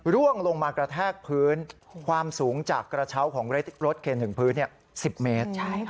ร่วงลงมากระแทกพื้นความสูงจากกระเช้าของรถเคนถึงพื้น๑๐เมตร